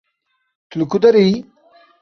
Tu li ku derê yî?